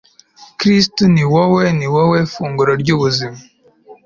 kristu ni wowe (ni wowe) funguro ry'ubuzima